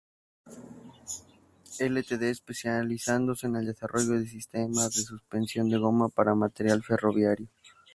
Ltd, especializándose en el desarrollo de sistemas de suspensión de goma para material ferroviario.